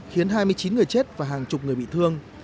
khiến hai mươi chín người chết và hàng chục người bị thương